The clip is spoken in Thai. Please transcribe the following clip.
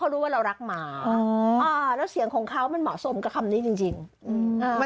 ทำไมเรียกเขาว่าอะไรล่ะ